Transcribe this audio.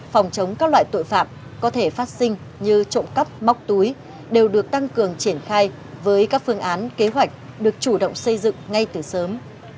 phòng chống các loại tội phạm có thể phát sinh như trộm cắp móc túi đều được tăng cường triển khai với các phương án kế hoạch được chủ động xây dựng ngay từ sớm